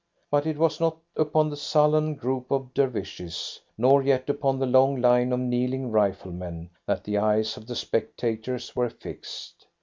But it was not upon the sullen group of Dervishes, nor yet upon the long line of kneeling rifle men, that the eyes of the spectators were fixed.